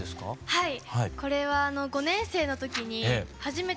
はい。